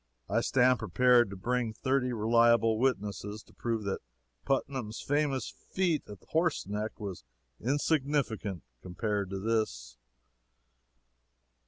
I stand prepared to bring thirty reliable witnesses to prove that Putnam's famous feat at Horseneck was insignificant compared to this.